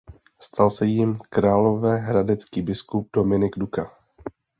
Stal se jím královéhradecký biskup Dominik Duka.